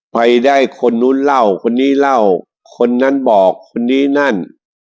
ไปได้คนนู้นเล่าคนนี้เล่าคนนั้นบอกคนนี้นั่น